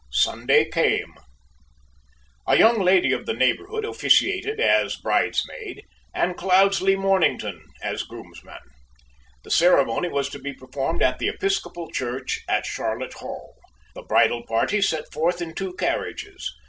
Sunday came. A young lady of the neighborhood officiated as bridesmaid, and Cloudesley Mornington as groomsman. The ceremony was to be performed at the Episcopal Church at Charlotte Hall. The bridal party set forward in two carriages.